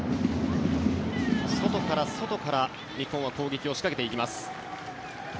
外から外から日本は攻撃を仕掛けていきます。